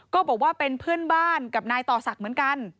ก็บอกว่าเป็นเพื่อนบ้านกับนายต่อศักดิ์เหมือนกัน